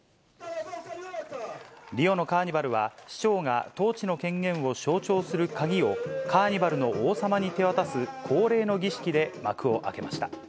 リオのカーニバルは、市長が統治の権限を象徴する鍵を、カーニバルの王様に手渡す恒例の儀式で幕を開けました。